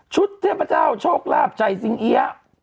ชุดเทพเจ้าโชคราบใจซิงเอี๊ยะ